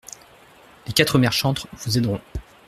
Les quatre mères chantres vous aideront.